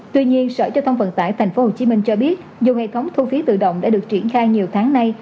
tuy nhiên sở giao thông vận tải tp hcm cho biết dù hệ thống thu phí tự động đã được triển khai nhiều tháng nay